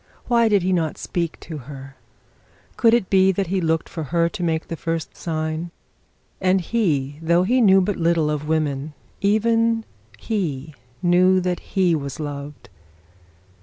Why did he not speak to her? Could it be that he looked for her to make the first sign? And he, though he knew little of women, even he knew that he was loved.